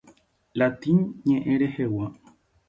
Latín ñe'ẽ rehegua.